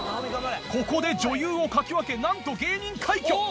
ここで女優をかき分けなんと芸人快挙！